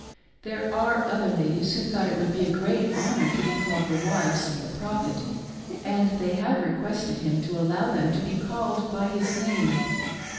There are other ladies who thought it would be a great honor to be called the wives of the Prophet, and they have requested him to allow them to be called by his name.